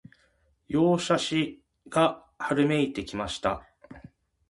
陽射しが春めいてまいりました